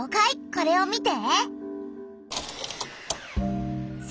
これを見て。